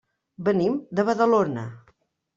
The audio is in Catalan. Venim de Badalona.